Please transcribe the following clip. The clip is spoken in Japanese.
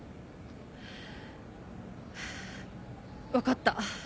分かった。